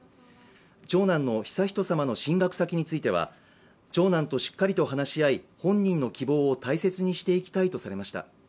長男の悠仁さまの進学先については長男としっかりと話し合い本人の希望を大切にしていきたいとされました。